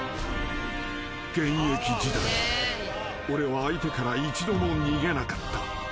［現役時代俺は相手から一度も逃げなかった］